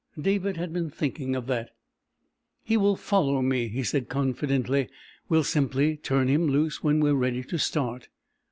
David had been thinking of that. "He will follow me," he said confidently. "We'll simply turn him loose when we're ready to start."